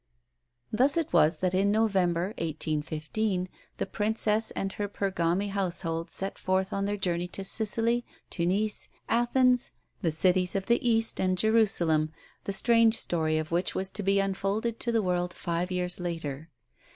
Thus it was that in November, 1815, the Princess and her Pergami household set forth on their journey to Sicily, Tunis, Athens, the cities of the East and Jerusalem, the strange story of which was to be unfolded to the world five years later.